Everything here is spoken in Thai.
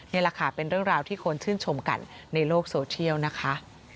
นี่แหละค่ะเป็นเรื่องราวที่คนชื่นชมกันในโลกโซเชียลนะคะ